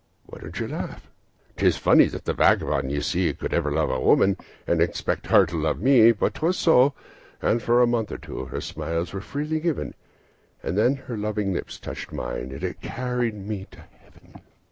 "Why don't you laugh? 'Tis funny that the vagabond you see Could ever love a woman, and expect her love for me; But 'twas so, and for a month or two, her smiles were freely given, And when her loving lips touched mine, it carried me to Heaven.